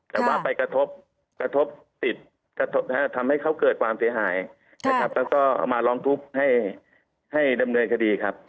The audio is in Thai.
แต่ว่าไปกระทบติดทำให้เขาเกิดความเสียหายนะครับแล้วก็มาร้องทุกข์ให้ดำเนินคดีครับ